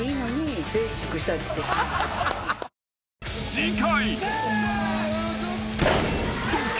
［次回］